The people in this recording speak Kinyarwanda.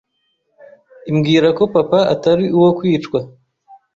imbwira ko papa Atari uwo kwicwa